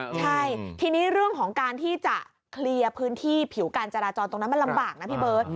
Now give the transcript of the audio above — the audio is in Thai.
ใช่ทีนี้เรื่องของการที่จะเคลียร์พื้นที่ผิวการจราจรตรงนั้นมันลำบากนะพี่เบิร์ต